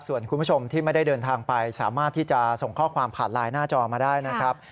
ส่วนคุณผู้ชมที่ไม่ได้เดินทางไปสามารถที่จะส่งข้อความผ่านไลน์หน้าจอมาได้นะครับ